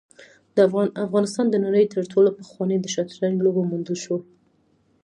افغانستان د نړۍ تر ټولو پخوانی د شطرنج لوبه موندل شوې